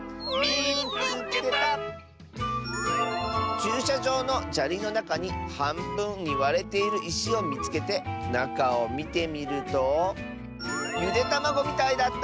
「ちゅうしゃじょうのじゃりのなかにはんぶんにわれているいしをみつけてなかをみてみるとゆでたまごみたいだった！」。